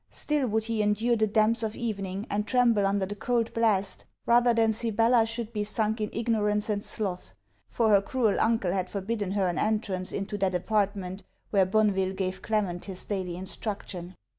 Still, would he endure the damps of evening, and tremble under the cold blast, rather than Sibella should be sunk in ignorance and sloth; for her cruel uncle had forbidden her an entrance into that apartment where Bonneville gave Clement his daily instruction.